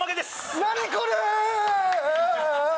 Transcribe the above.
何これっ！